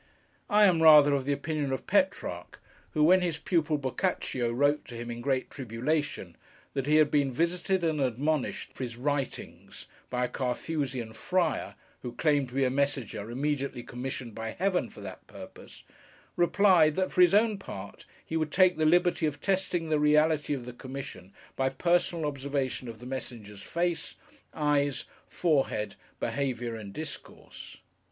I am rather of the opinion of PETRARCH, who, when his pupil BOCCACCIO wrote to him in great tribulation, that he had been visited and admonished for his writings by a Carthusian Friar who claimed to be a messenger immediately commissioned by Heaven for that purpose, replied, that for his own part, he would take the liberty of testing the reality of the commission by personal observation of the Messenger's face, eyes, forehead, behaviour, and discourse.